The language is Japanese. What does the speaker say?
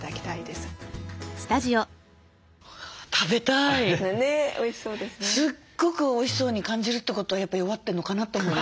すっごくおいしそうに感じるってことはやっぱ弱ってんのかなと思いました。